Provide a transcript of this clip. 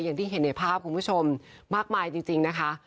อย่างที่เห็นในภาพคุณผู้ชมมากมายจริงนะคะ